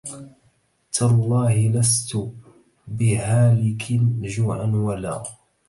تالله لست بهالك جوعا ولا